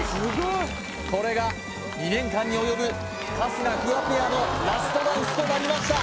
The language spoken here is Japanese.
これが２年間に及ぶ春日フワペアのラストダンスとなりました